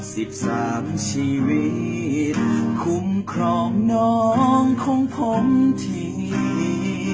สิบสามชีวิตคุ้มครองน้องของผมที